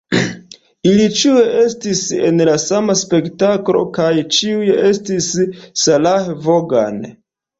Ili ĉiuj estis en la sama spektaklo kaj ĉiuj estis Sarah Vaughan“.